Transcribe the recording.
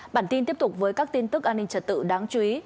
bản tin tiếp tục với các tin tức an ninh trật tự đáng chú ý